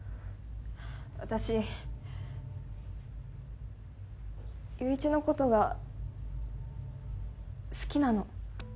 私友一の事が好きなの。